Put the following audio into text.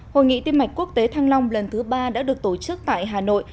hội nghị tiêm mạch quốc tế thăng long lần thứ ba đã được tổ chức tại hà nội